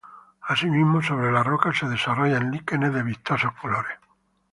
Asimismo sobre las rocas se desarrollan "líquenes" de vistosos colores.